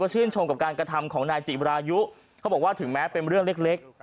ชื่นชมกับการกระทำของนายจิบรายุเขาบอกว่าถึงแม้เป็นเรื่องเล็ก